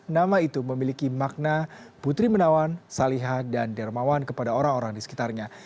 nama itu memiliki makna putri menawan salihah dan dermawan kepada orang orang di sekitarnya